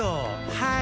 はい！